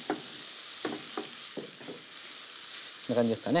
こんな感じですかね。